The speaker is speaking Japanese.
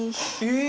え！